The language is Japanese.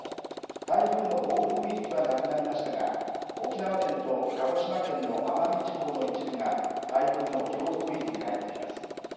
台風の暴風域はなくなりましたが沖縄県と鹿児島県の奄美地方の一部が台風の強風域に入っています。